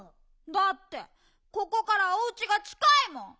だってここからおうちがちかいもん！